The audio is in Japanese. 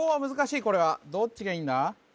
難しいこれはどっちがいいんだ？